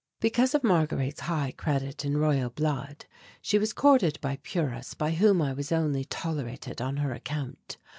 Because of Marguerite's high credit in Royal blood she was courted by "purists" by whom I was only tolerated on her account.